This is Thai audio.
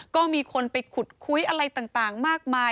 ก็มีคนไปขุดคุยอะไรต่างมากมาย